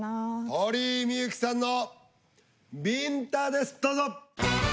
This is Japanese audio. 鳥居みゆきさんのびんたですどうぞ。